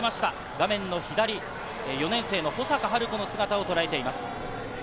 画面の左、４年生の保坂晴子の姿を捉えています。